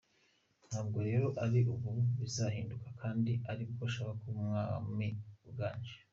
Ntabwo rero ari ubu bizahinduka kandi aribwo ashaka kuba umwami uganje.